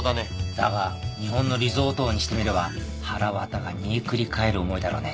だが日本のリゾート王にしてみればはらわたが煮えくり返る思いだろうね。